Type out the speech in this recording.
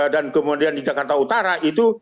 dan kemudian di jakarta utara itu